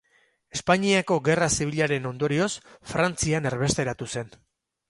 Espainiako Gerra Zibilaren ondorioz Frantzian erbesteratu zen.